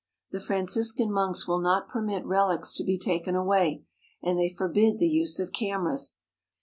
The Franciscan monks will not permit relics to be taken away, and they forbid the use of cam eras.